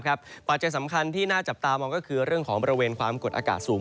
ปัจจัยสำคัญที่น่าจับตามองก็คือเรื่องของบริเวณความกดอากาศสูง